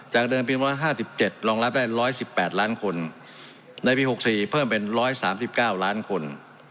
เดิมปี๑๕๗รองรับได้๑๑๘ล้านคนในปี๖๔เพิ่มเป็น๑๓๙ล้านคน